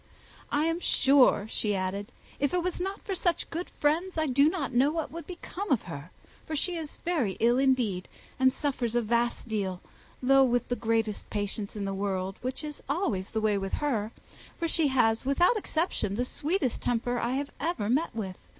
"I am sure," she added, "if it was not for such good friends, I do not know what would become of her, for she is very ill indeed, and suffers a vast deal, though with the greatest patience in the world, which is always the way with her, for she has, without exception, the sweetest temper I ever met with.